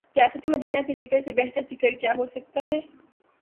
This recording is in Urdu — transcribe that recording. ریاست مدینہ کے ذکر سے بہترذکر کیا ہوسکتاہے۔